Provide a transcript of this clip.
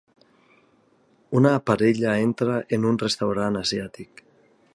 Una parella entra en un restaurant asiàtic.